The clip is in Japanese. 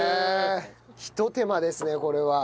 ひと手間ですねこれは。